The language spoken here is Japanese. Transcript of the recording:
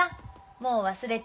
もう忘れた。